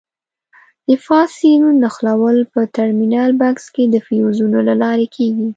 د فاز سیم نښلول په ټرمینل بکس کې د فیوزونو له لارې کېږي.